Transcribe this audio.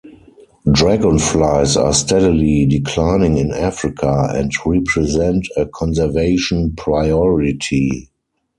Dragonflies are steadily declining in Africa, and represent a conservation priority.